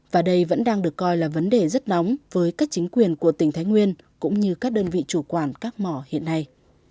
và đây vẫn đang được coi là vấn đề rất nóng với các chính quyền của tỉnh thái nguyên cũng như các đơn vị chủ quản các mỏ hiện nay